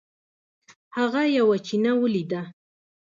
هغه یوه چینه ولیده.